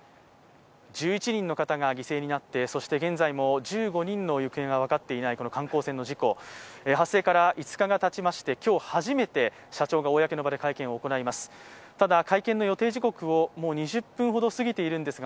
１１人の方が犠牲になって、そして現在も１５人の行方が分かっていない観光船の事故、発生から５日がたちまして、今日初めて社長が公の場で会見を行います。